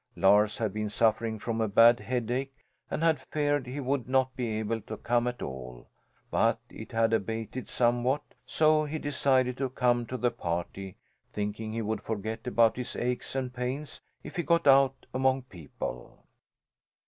Lars had been suffering from a bad headache and had feared he would not be able to come at all; but it had abated somewhat so he decided to come to the party, thinking he would forget about his aches and pains if he got out among people.